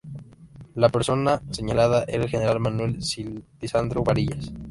La persona señalada era el general Manuel Lisandro Barillas.